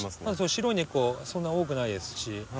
白い根っこそんな多くないですし。